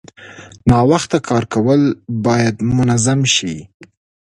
ناوخته کار کول باید منظم شي.